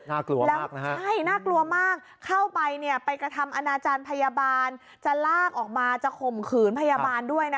ใช่น่ากลัวมากเข้าไปเนี่ยไปกระทำอนาจารย์พยาบาลจะลากออกมาจะข่มขืนพยาบาลด้วยนะ